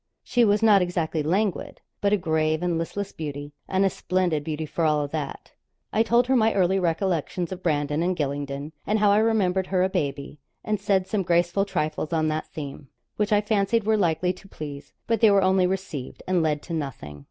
She was not exactly languid, but a grave and listless beauty, and a splendid beauty for all that. I told her my early recollections of Brandon and Gylingden, and how I remembered her a baby, and said some graceful trifles on that theme, which I fancied were likely to please. But they were only received, and led to nothing.